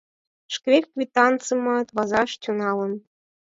Шке квитанцымат возаш тӱҥалын.